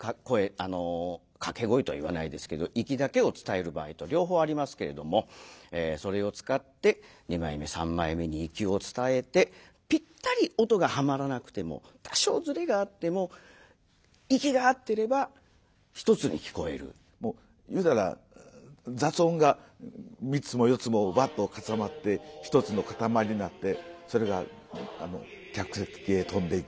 掛け声とは言わないですけどイキだけを伝える場合と両方ありますけれどもそれを使って二枚目三枚目にイキを伝えてぴったり音がはまらなくても多少ずれがあってももういうたら雑音が３つも４つもわっと重なって１つのかたまりになってそれが客席へ飛んでいく。